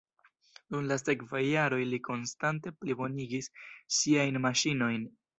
Dum la sekvaj jaroj li konstante plibonigis siajn maŝinojn.